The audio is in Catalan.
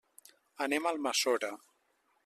Anem a Almassora.